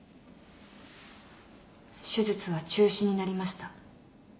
手術は中止になりました。